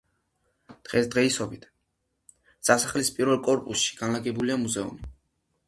დღესდღეობით სასახლის პირველი კორპუსში განლაგებულია მუზეუმი.